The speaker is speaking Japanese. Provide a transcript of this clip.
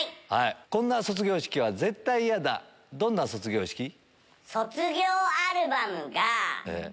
こんな卒業式は絶対嫌だどんな卒業式？